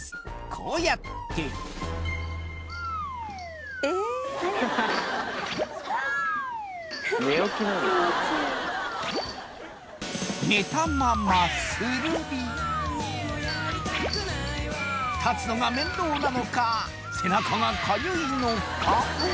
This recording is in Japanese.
こうやって立つのが面倒なのか背中がかゆいのか？